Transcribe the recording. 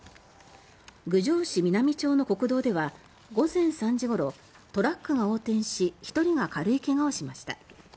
郡上市美並町の国道では午前３時ごろ、トラックが横転し１人が軽い怪我をしました。